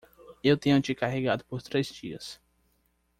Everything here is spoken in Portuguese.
Eu tenho te carregado por três dias.